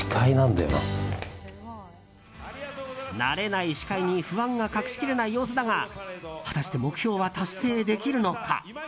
慣れない司会に不安が隠し切れない様子だが果たして目標は達成できるのか。